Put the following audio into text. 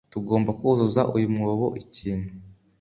Tugomba kuzuza uyu mwobo ikintu.